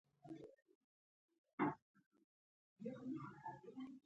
د دوو لومړنیو وکتورونو د شروع کیدو ځای.